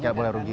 tidak boleh rugi